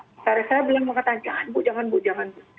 misalnya saya bilang mau kata jangan bu jangan bu jangan bu